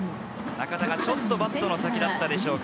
中田はちょっとバットの先だったでしょうか。